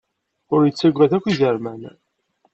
Ur yettagad akk izerman.